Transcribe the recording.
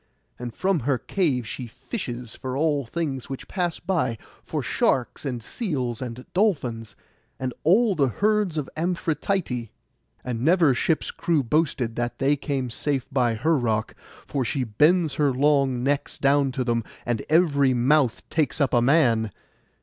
And from her cave she fishes for all things which pass by—for sharks, and seals, and dolphins, and all the herds of Amphitrite. And never ship's crew boasted that they came safe by her rock, for she bends her long necks down to them, and every mouth takes up a man.